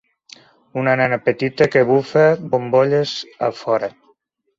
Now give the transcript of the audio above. Una nena petita que bufa bombolles a fora.